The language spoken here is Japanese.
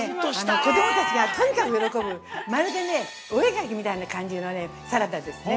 子供たちがとにかく喜ぶまるでね、お絵かきみたいな感じのサラダですね。